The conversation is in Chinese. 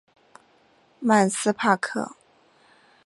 曼斯帕克。